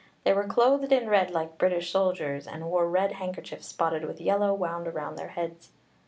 They were clothed in red like British soldiers, and wore red handkerchiefs spotted with yellow wound round their heads.